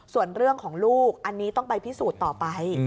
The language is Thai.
ส่วนเรื่องของลูกอันนี้ต้องไปพิสูจน์ต่อไป